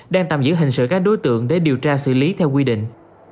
đang tạm giữ hình sự các đối tượng để điều tra xử lý theo quy định